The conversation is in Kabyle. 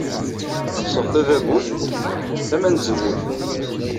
Ɣseɣ tadabut tama n tzewwut.